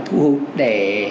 thu hút để